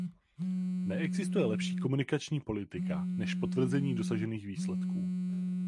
Neexistuje lepší komunikační politika než potvrzení dosažených výsledků.